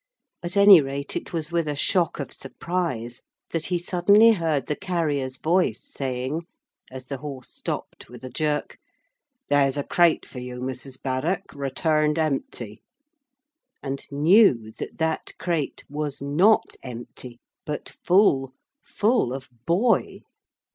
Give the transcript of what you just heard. At any rate it was with a shock of surprise that he suddenly heard the carrier's voice saying, as the horse stopped with a jerk: 'There's a crate for you, Mrs. Baddock, returned empty,' and knew that that crate was not empty, but full full of boy.